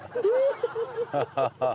ハハハハ！